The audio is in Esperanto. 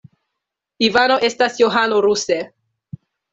Ivano estas Johano ruse.